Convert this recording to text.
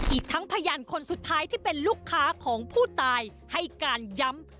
อีกทั้งพยานคนสุดท้ายที่เป็นลูกค้าของผู้ตายให้การย้ำ